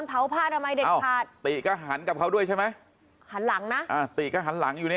เอาผ้าอนามัย